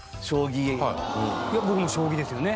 僕も将棋ですよね。